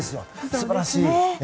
素晴らしい。